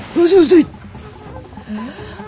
えっ。